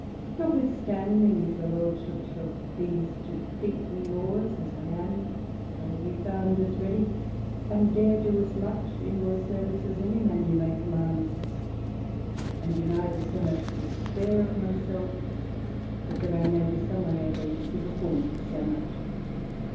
Notwithstanding, if your Lordship shall please to think me yours, as I am, I will be found as ready, and dare do as much in your service, as any man you may command; and do neither so much despair of myself but that I may be some way able to perform so much.